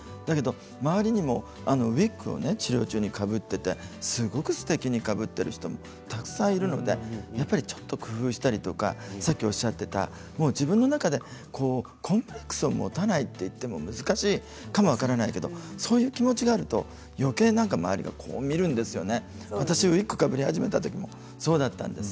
周りにも治療中にウイッグをかぶっていてすごくすてきにかぶっている人もたくさんいるのでちょっと工夫したりとかさっきおっしゃっていた自分の中で、コンプレックスを持たないといっても難しいかも分からないけれどそういう気持ちがあるとよけい周りが見るんですね。